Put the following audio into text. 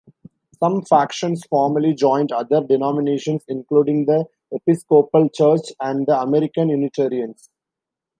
Some factions formally joined other denominations including the Episcopal Church and the American Unitarians.